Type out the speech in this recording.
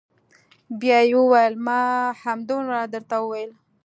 بيا يې وويل ما همدومره درته وويل.